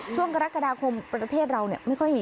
ช่วงกรกฎาคมประเทศเราเนี่ย